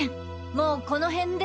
もうこの辺で。